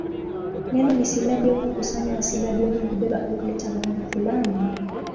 Neno ni silabi au mkusanyo wa silabi wenye kubeba au kuleta maana fulani.